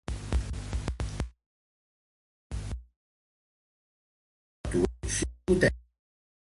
Al costat nord-oest, hi ha un xicotet port.